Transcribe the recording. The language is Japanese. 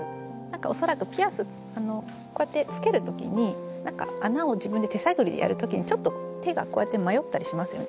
恐らくピアスこうやってつける時に穴を自分で手探りでやる時にちょっと手がこうやって迷ったりしますよね。